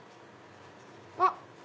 あっ！